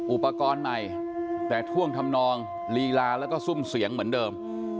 อุปกรณ์ใหม่แต่ท่วงทำนองลีลาแล้วก็ซุ่มเสียงเหมือนเดิม